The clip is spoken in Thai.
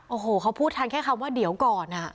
โอ้โหเขาพูดทันแค่คำว่าเดี๋ยวก่อน